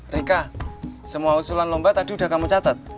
rika semua usulan lomba tadi sudah kamu catat